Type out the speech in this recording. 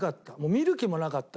見る気もなかった。